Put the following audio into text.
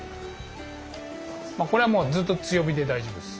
これはもうずっと強火で大丈夫です。